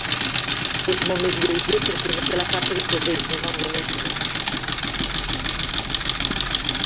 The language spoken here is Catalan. És molt més lleuger perquè no té la capa que cobreix normalment el quimono.